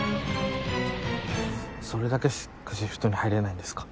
それだけしかシフトに入れないんですか？